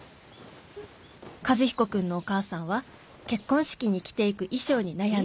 「和彦君のお母さんは結婚式に着ていく衣装に悩んでいるそうです」。